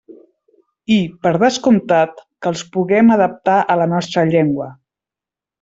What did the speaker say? I, per descomptat, que els puguem adaptar a la nostra llengua.